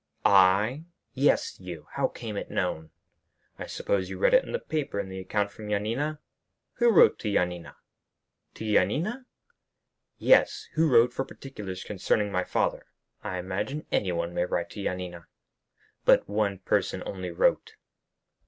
"I?" "Yes; you! How came it known?" "I suppose you read it in the paper in the account from Yanina?" "Who wrote to Yanina?" "To Yanina?" "Yes. Who wrote for particulars concerning my father?" "I imagine anyone may write to Yanina." "But one person only wrote!"